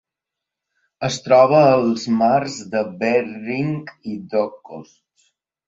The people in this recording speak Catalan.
Es troba als mars de Bering i d'Okhotsk.